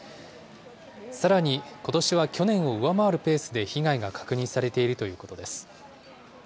さらにことしは去年を上回るペースで被害が確認されているということです。